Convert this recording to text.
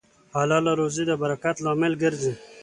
حلاله روزي د برکت لامل ګرځي.